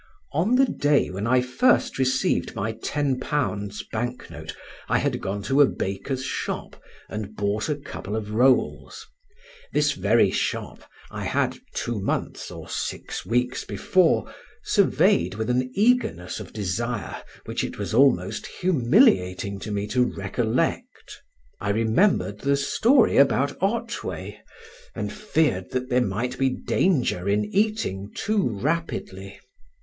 On the day when I first received my £10 bank note I had gone to a baker's shop and bought a couple of rolls; this very shop I had two months or six weeks before surveyed with an eagerness of desire which it was almost humiliating to me to recollect. I remembered the story about Otway, and feared that there might be danger in eating too rapidly.